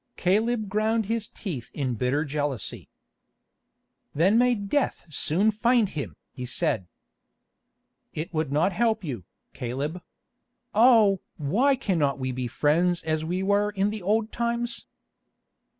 Caleb ground his teeth in bitter jealousy. "Then may death soon find him!" he said. "It would not help you, Caleb. Oh! why cannot we be friends as we were in the old times!"